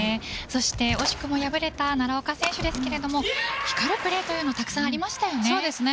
惜しくも敗れた奈良岡選手ですが光るプレーというのがたくさんありましたね。